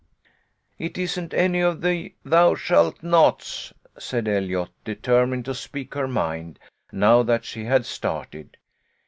" It isn't any of the ' thou shalt nots,' " said Eliot, determined to speak her mind, now that she had started.